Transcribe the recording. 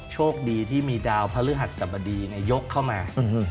โชคดีที่มีดาวพระฤหัสสบดียกเข้ามา